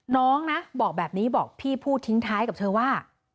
น้องนะบอกแบบนี้บอกพี่พูดทิ้งท้ายกับเธอว่า